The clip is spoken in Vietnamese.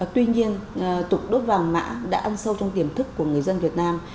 tuy nhiên tục đốt vàng mã đã ăn sâu trong tiềm thức của người dân việt nam